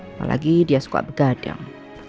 apalagi dia suka begadang